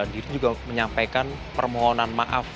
diri juga menyampaikan permohonan maaf